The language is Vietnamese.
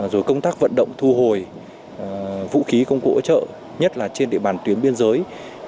rồi công tác vận động thu hồi vũ khí công cụ hỗ trợ nhất là trên địa bàn tuyến biên giới